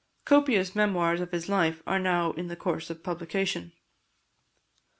Copious memoirs of his life are now in the course of publication.